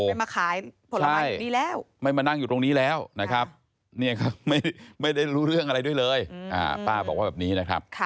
ไม่มาขายผลไม้ดีแล้วไม่มานั่งอยู่ตรงนี้แล้วนะครับเนี่ยครับไม่ได้รู้เรื่องอะไรด้วยเลยป้าบอกว่าแบบนี้นะครับ